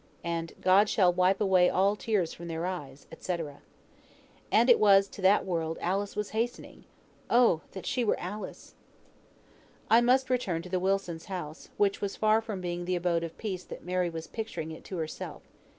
"The tears shall be wiped away from all eyes," &c. And it was to that world Alice was hastening! Oh! that she were Alice! I must return to the Wilsons' house, which was far from being the abode of peace that Mary was picturing it to herself.